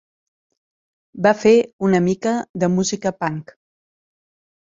Va fer una mica de música punk.